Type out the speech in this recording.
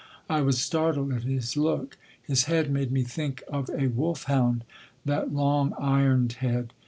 I was startled at his look. His head made me think of a wolf hound—that long ironed head.